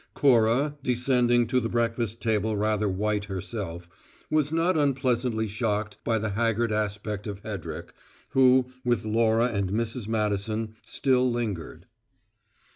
Cora, descending to the breakfast table rather white herself, was not unpleasantly shocked by the haggard aspect of Hedrick, who, with Laura and Mrs. Madison, still lingered.